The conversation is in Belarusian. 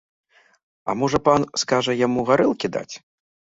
А можа, пан скажа яму гарэлкі даць?